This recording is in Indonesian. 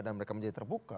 dan mereka menjadi terbuka